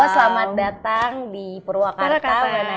selamat datang di purwakarta